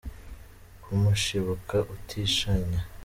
Ku mushibuka utishanya